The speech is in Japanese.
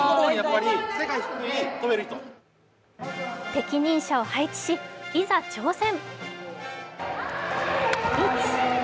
適任者を配置し、いざ挑戦